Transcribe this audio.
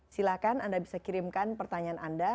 silahkan anda bisa kirimkan pertanyaan anda